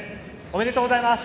おめでとうございます。